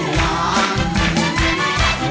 ร้องได้ให้ร้าน